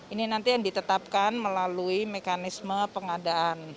ini nanti yang ditetapkan melalui mekanisme pengadaan